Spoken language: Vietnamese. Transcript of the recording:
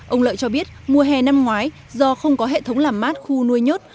ông lợi cho biết mùa hè năm ngoái do không có hệ thống làm mát khu nuôi nhốt